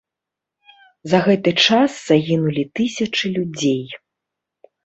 За гэты час загінулі тысячы людзей.